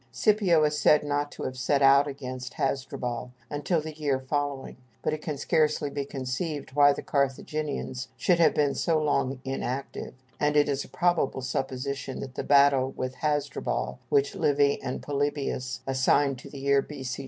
Scipio is said not to have set out against Hasdrubal until the year following, but it can scarcely be conceived why the Carthaginians should have been so long inactive, and it is a probable supposition that the battle with Hasdrubal, which Livy and Polybius assign to the year B.C.